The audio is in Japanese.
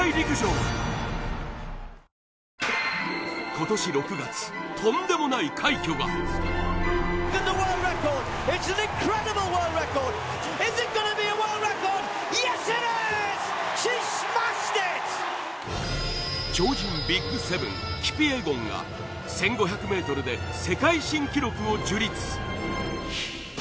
今年６月とんでもない快挙が超人ＢＩＧ７キピエゴンが１５００ｍで世界新記録を樹立